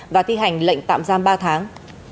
và thi hành lệnh tạm giam ba tháng